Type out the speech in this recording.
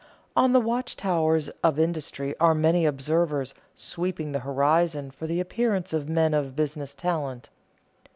On the watch towers of industry are many observers sweeping the horizon for the appearance of men of business talent.